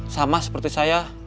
sama seperti saya